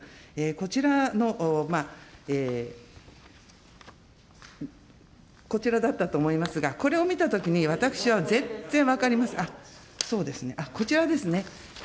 こちらの、こちらだったと思いますが、これを見たときに、私は全然、そうですね、こちらですね。